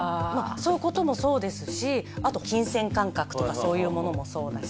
そういうこともそうですしあと金銭感覚とかそういうものもそうだし